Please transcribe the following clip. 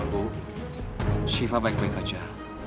bu shiva baik baik aja